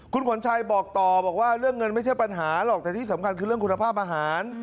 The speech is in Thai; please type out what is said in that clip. คุณขวัญชัยบอกต่อบอกว่าเรื่องเงินไม่ใช่ปัญหาหรอกแต่ที่สำคัญคือเรื่องคุณภาพอาหาร